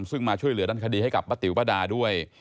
ซึ่งมาช่วยเหลือด้านคดีให้กับป้าติ๋วป้าดาด้วย